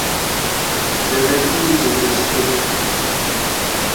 شِڑِکی چِکِستِک